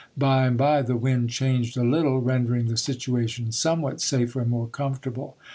By and by the wind changed a httle, rendering the situation somewhat safer and more comfortable.